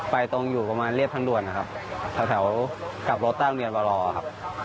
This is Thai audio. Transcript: ไปตรงอยู่ประมาณเรียบทางด่วนนะครับแถวกลับรถตั้งเรียนมารอครับ